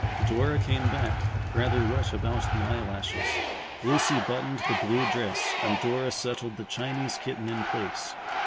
Dora came back, rather wet about the eyelashes. Lucy buttoned the blue dress and Dora settled the Chinese kitten in place.